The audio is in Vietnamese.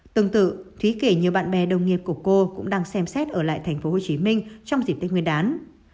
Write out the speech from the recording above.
tương tự thúy kể nhiều bạn bè đồng nghiệp của cô cũng đang xem xét ở lại tp hcm trong dịp tết nguyên đán